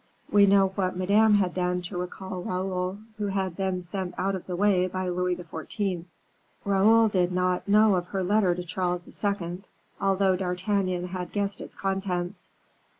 We know what Madame had done to recall Raoul, who had been sent out of the way by Louis XIV. Raoul did not know of her letter to Charles II., although D'Artagnan had guessed its contents.